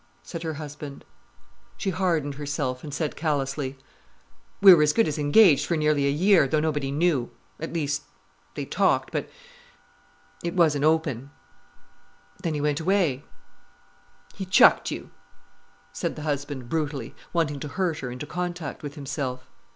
said her husband. She hardened herself, and said callously: "We were as good as engaged for nearly a year, though nobody knew—at least—they talked—but—it wasn't open. Then he went away——" "He chucked you?" said the husband brutally, wanting to hurt her into contact with himself.